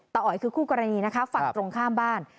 อ๋อยคือคู่กรณีนะคะฝั่งตรงข้ามบ้าน